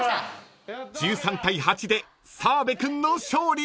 ［１３対８で澤部君の勝利！］